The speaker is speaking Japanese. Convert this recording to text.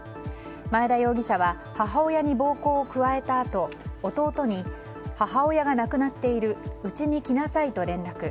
前田容疑者は母親に暴行を加えたあと弟に母親が亡くなっているうちに来なさいと連絡。